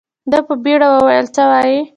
ده په بيړه وويل څه وايې.